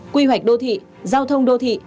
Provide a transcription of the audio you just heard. quy hoạch đô thị giao thông đô thị